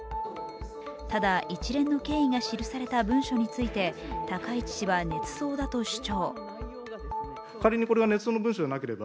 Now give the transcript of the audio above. ただ、一連の経緯が記された文書について高市氏はねつ造だと主張。